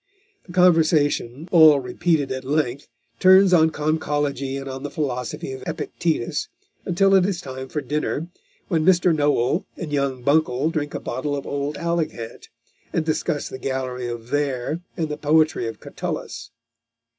The conversation, all repeated at length, turns on conchology and on the philosophy of Epictetus until it is time for dinner, when Mr. Noel and young Buncle drink a bottle of old Alicant, and discuss the gallery of Verres and the poetry of Catullus.